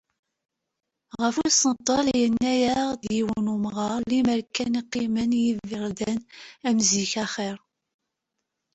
Ɣef usentel-a, yenna-aɣ-d yiwen n umɣar: "Limer kan qqimen yiberdan am zik axir."